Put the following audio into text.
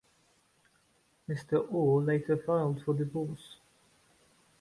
Mister Orr later filed for divorce.